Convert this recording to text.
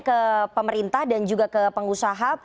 ke pemerintah dan juga ke pengusaha